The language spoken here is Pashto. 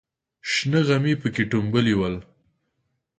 شنه غمي پکې ټومبلې ول.